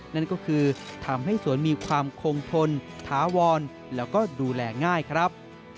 นั่นก็คือทำให้สวนมีความคงทนถาวรแล้วก็ดูแลง่ายครับ